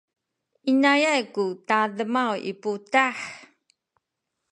inayay ku tademaw i putah.